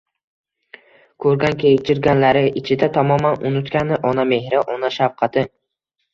Ko'rgankechirganlari ichida tamoman unutgani — ona mehri, ona shafqati.